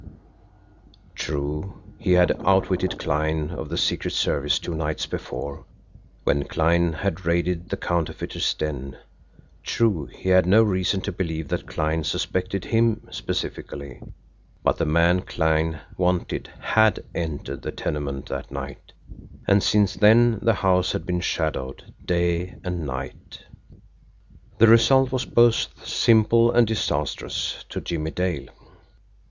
True, he had outwitted Kline of the secret service two nights before, when Kline had raided the counterfeiters' den; true, he had no reason to believe that Kline suspected HIM specifically, but the man Kline wanted HAD entered the tenement that night, and since then the house had been shadowed day and night. The result was both simple and disastrous to Jimmie Dale.